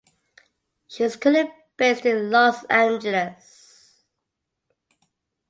She is currently based in Los Angeles.